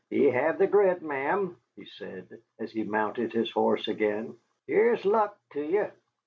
"Ye have the grit, ma'am," he said, as he mounted his horse again. "Here's luck to ye!"